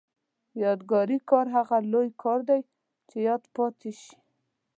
یادګاري کار هغه لوی کار دی چې یاد پاتې شي.